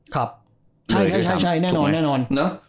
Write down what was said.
ครับใช่แน่นอน